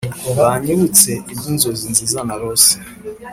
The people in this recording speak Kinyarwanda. Bunyibutse ibyi nzozi nziza narose